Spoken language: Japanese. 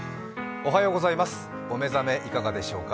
お目覚めいかがでしょうか。